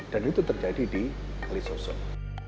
dan itu terjadi di kalisosok